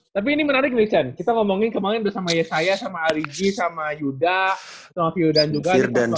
tapi ini menarik nih chan kita ngomongin kemaren udah sama yesaya sama aligi sama yuda sama firdan juga